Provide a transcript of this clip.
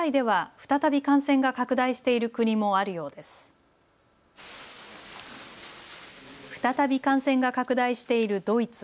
再び感染が拡大しているドイツ。